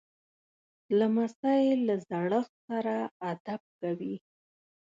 لمسی له زړښت سره ادب کوي.